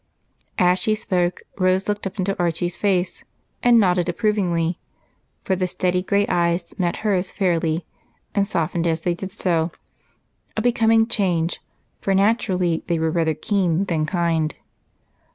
As she spoke, Rose looked up into Archie's face and nodded approvingly, for the steady gray eyes met hers fairly and softened as they did so a becoming change, for naturally they were rather keen than kind.